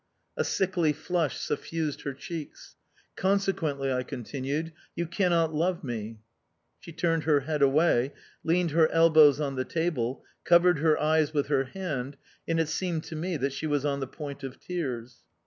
A sickly flush suffused her cheeks. "Consequently," I continued, "you cannot love me"... She turned her head away, leaned her elbows on the table, covered her eyes with her hand, and it seemed to me that she was on the point of tears.